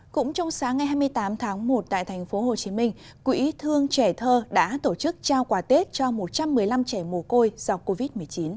cũng trong sáng ngày hai mươi tám tháng một tại tp hcm quỹ thương trẻ thơ đã tổ chức trao quà tết cho một trăm một mươi năm trẻ mồ côi do covid một mươi chín